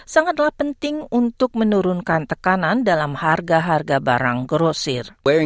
sangatlah penting untuk menurunkan tekanan dalam harga harga barang grosir